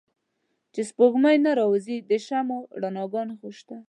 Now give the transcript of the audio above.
چې سپوږمۍ نه را ځي د شمعو رڼاګا نې خوشته